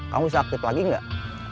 kamu bisa aktif lagi nggak